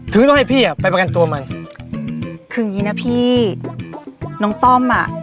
คือต้องให้พี่อ่ะไปประกันตัวมันคืออย่างงี้นะพี่น้องต้อมอ่ะ